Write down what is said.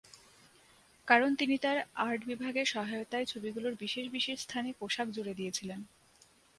কারণ তিনি তার আর্ট বিভাগের সহায়তায় ছবিগুলোর বিশেষ বিশেষ স্থানে পোশাক জুড়ে দিয়েছিলেন।